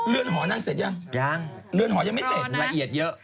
เรือนหอนั่งเสร็จยังยังเรือนหอยังไม่เสร็จละเอียดเยอะ